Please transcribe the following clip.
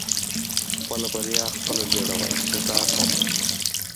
• خپله بریا خپله جوړوه، انتظار مه باسې.